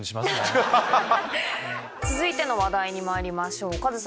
続いての話題にまいりましょう。